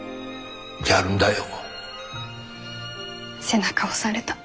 背中押された。